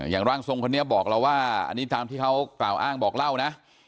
ร่างทรงคนนี้บอกเราว่าอันนี้ตามที่เขากล่าวอ้างบอกเล่านะ